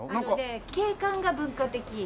景観が「文化的」。